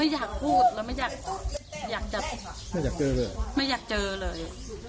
ไม่อยากพูดแล้วไม่อยากเจอเลย